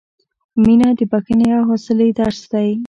• مینه د بښنې او حوصلې درس دی.